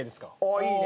いいね。